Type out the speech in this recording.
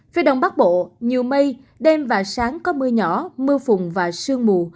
phía đông bắc bộ nhiều mây đêm và sáng có mưa nhỏ mưa phùn và sương mù